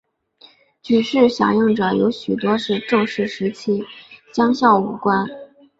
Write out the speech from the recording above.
举事响应者有许多是郑氏时期将校武官。